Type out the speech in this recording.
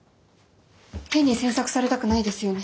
変に詮索されたくないですよね。